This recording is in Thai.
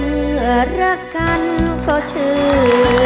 เหลือรักกันก็ชื่น